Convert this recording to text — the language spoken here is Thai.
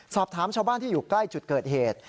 สอบถามชาวบ้านที่อยู่ใกล้จุดเกิดเหตุ